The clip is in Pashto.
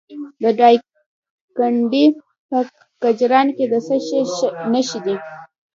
د دایکنډي په کجران کې د څه شي نښې دي؟